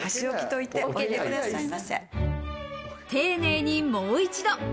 丁寧にもう一度。